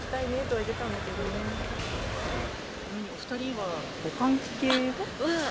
お２人はご関係は？